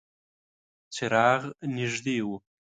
څراغ نږدې و.